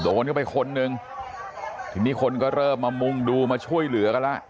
โดนเข้าไปคนนึงทีนี้คนก็เริ่มมามุ่งดูมาช่วยเหลือกันแล้ว